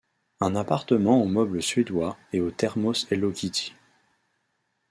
un appartement aux meubles suédois et au thermos Hello Kitty.